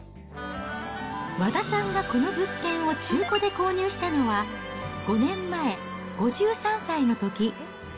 和田さんがこの物件を中古で購入したのは、５年前、５３歳のとき。